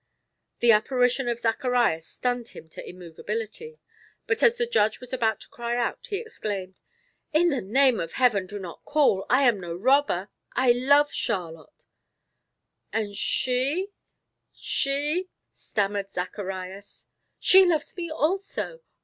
The apparition of Zacharias stunned him to immovability. But as the Judge was about to cry out, he exclaimed: "In the name of Heaven, do not call. I am no robber I love Charlotte!" "And she she?" stammered Zacharias. "She loves me also!